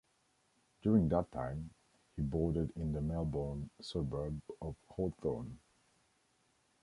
During that time he boarded in the Melbourne suburb of Hawthorn.